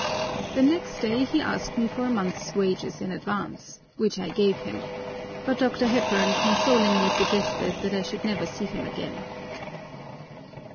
The next day he asked me for a month's wages in advance, which I gave him, but Dr. H. consolingly suggested that I should never see him again!